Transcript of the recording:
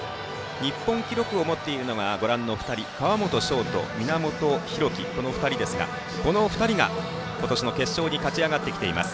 日本記録を持っているのが川元奨と源裕貴の２人ですがこの２人が今年の決勝に勝ち上がってきています。